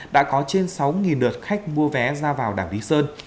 đã có trên sáu lượt khách mua vé ra vào đảo lý sơn